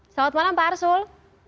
selamat malam pak arsul